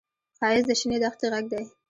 ښایست د شنې دښتې غږ دی